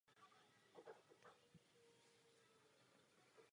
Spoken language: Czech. V té době se také začíná hovořit právě o zmíněné distribuované umělé inteligenci.